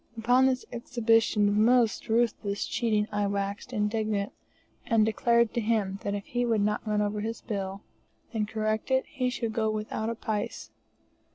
Upon this exhibition of most ruthless cheating I waxed indignant, and declared to him that if he did not run over his bill and correct it, he should go without a pice.